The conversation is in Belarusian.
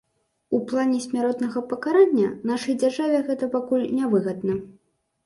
У плане смяротнага пакарання, нашай дзяржаве гэта пакуль нявыгадна.